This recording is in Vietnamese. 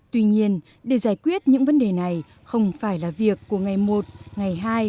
tuy nhiên để giải quyết những vấn đề này không phải là việc của ngày một ngày hai